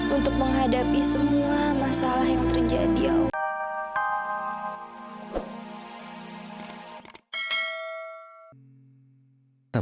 untuk menghadapi semua masalah yang terjadi allah